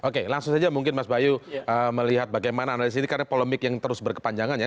oke langsung saja mungkin mas bayu melihat bagaimana analisis ini karena polemik yang terus berkepanjangan ya